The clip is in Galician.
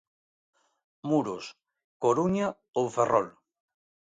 Muros, Coruña ou Ferrol.